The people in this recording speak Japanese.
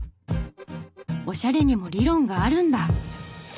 オシャレにも理論があるんだ！